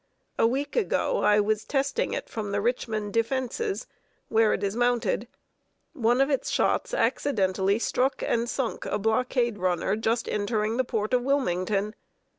A week ago I was testing it from the Richmond defenses, where it is mounted. One of its shots accidentally struck and sunk a blockade runner just entering the port of Wilmington.